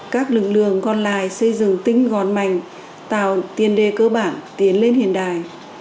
các lực lượng còn lại xây dựng tính gòn mạnh tạo tiền đề cơ bản tiến lên hiện đại